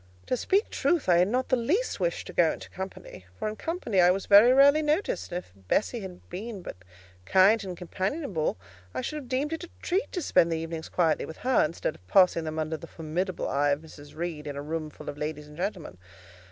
To speak truth, I had not the least wish to go into company, for in company I was very rarely noticed; and if Bessie had but been kind and companionable, I should have deemed it a treat to spend the evenings quietly with her, instead of passing them under the formidable eye of Mrs. Reed, in a room full of ladies and gentlemen.